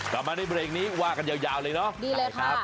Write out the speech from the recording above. กลับมาในเบรกนี้ว่ากันยาวเลยเนาะใช่ครับ